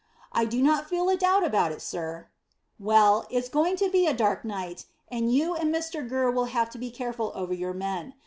"I do not feel a doubt about it, sir." "Well, it's going to be a dark night, and you and Mr Gurr will have to be careful over your men.